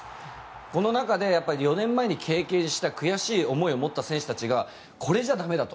この中で４年前に経験した悔しい思いを持った選手たちがこれじゃ駄目だと。